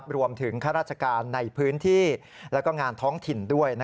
ข้าราชการในพื้นที่และงานท้องถิ่นด้วย